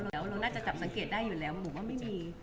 แล้วเราน่าจะจับสังเกตได้อยู่แล้วหนูว่าไม่มี